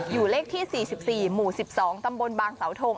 เลขที่๔๔หมู่๑๒ตำบลบางเสาทง